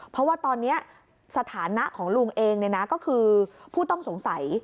เพราะว่าตอนนี้สถานะของลุงเองก็คือผู้ต้องสงสัย